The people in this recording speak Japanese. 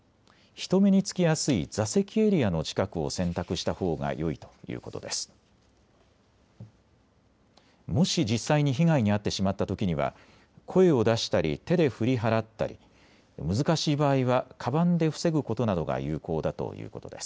人目につきやすい座席エリアの近くを選択したほうがよいということです。